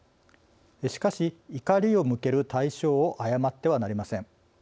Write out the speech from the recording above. しかし怒りを向ける対象を誤ってはなりません。